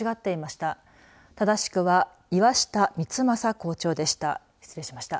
ただしくは岩下光少校長でした。